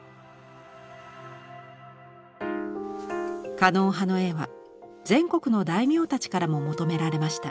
狩野派の絵は全国の大名たちからも求められました。